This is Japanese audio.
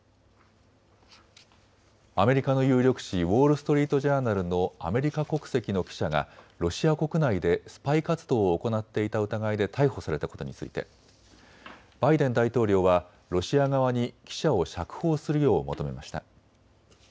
アメリカの有力紙、ウォール・ストリート・ジャーナルのアメリカ国籍の記者がロシア国内でスパイ活動を行っていた疑いで逮捕されたことについてバイデン大統領はロシア側に記者を釈放するよう求めました。